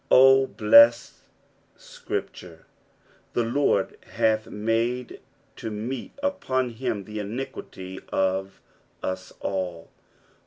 Oh, blessed Si ripture !" The Lord hath made to meet upon him the iniquity of us all."